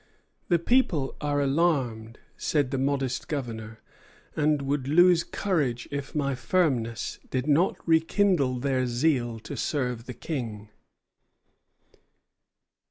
"The people are alarmed," said the modest Governor, "and would lose courage if my firmness did not rekindle their zeal to serve the King."